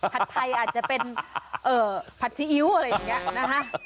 ผัดไทยอาจจะเป็นผัดซีอิ๊วอะไรอย่างนี้นะฮะ